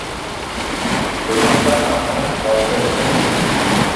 ললিতা তখন গর্ভবতী।